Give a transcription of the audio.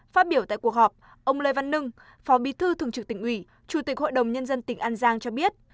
phát biểu tại cuộc họp ông lê văn nâng phó bí thư thường trực tỉnh ủy chủ tịch hội đồng nhân dân tỉnh an giang cho biết